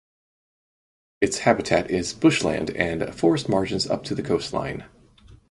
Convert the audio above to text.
Its habitat is bushland and forest margins up to the coastline.